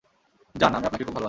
যান, আমি আপনাকে খুব ভালোবাসি।